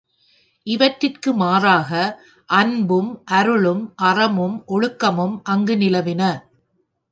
இவற்றிற்கு மாறாக அன்பும், அருளும், அறமும், ஒழுக்கமும் அங்கு நிலவின.